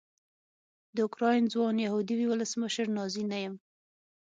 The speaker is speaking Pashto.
د اوکراین ځوان یهودي ولسمشر نازي نه یم.